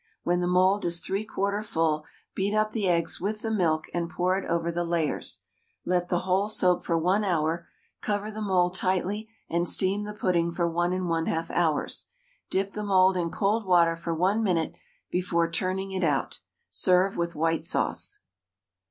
When the mould is 3/4 full, beat up the eggs with the milk and pour it over the layers; let the whole soak for 1 hour; cover the mould tightly, and steam the pudding for 1 1/2 hours. Dip the mould in cold water for 1 minute before turning it out; serve with white sauce.